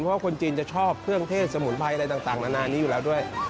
เพราะว่าคนจีนจะชอบเครื่องเทศสมุนไพรอะไรต่างนานานี้อยู่แล้วด้วย